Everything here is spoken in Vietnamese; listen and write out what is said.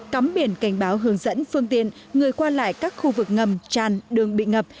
cắm biển cảnh báo hướng dẫn phương tiện người qua lại các khu vực ngầm tràn đường bị ngập